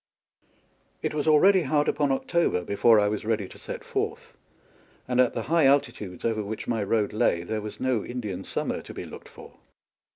It was already hard upon October before I was ready to set forth, and at the high altitudes over which my road lay there was no Indian summer to be looked for.